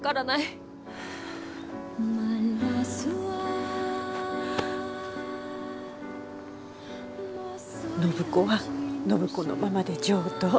暢子は暢子のままで上等。